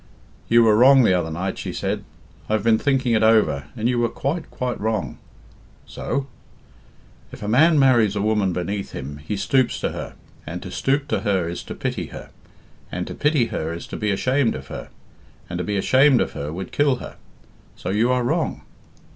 "You were wrong the other night," she said. "I have been thinking it over, and you were quite, quite wrong." "So?" "If a man marries a woman beneath him, he stoops to her, and to stoop to her is to pity her, and to pity her is to be ashamed of her, and to be ashamed of her would kill her. So you are wrong."